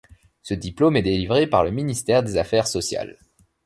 Ce diplôme est délivré par le Ministère des affaires Sociale.